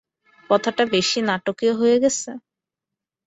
কথাটা বেশি নাটকীয় হয়ে গেছে?